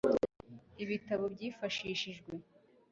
ibitabo byifashishijwe